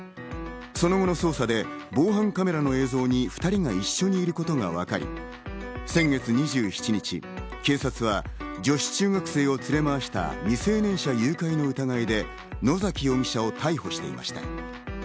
その後の捜査で防犯カメラの映像に２人が一緒にいることがわかり、先月２７日、警察は女子中学生を連れ回した未成年者誘拐の疑いで、野崎容疑者を逮捕していました。